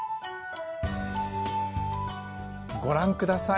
ご覧ください。